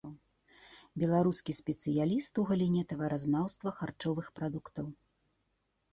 Беларускі спецыяліст у галіне таваразнаўства харчовых прадуктаў.